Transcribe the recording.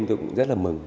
tôi cũng rất là mừng